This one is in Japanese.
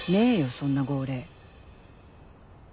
そんな号令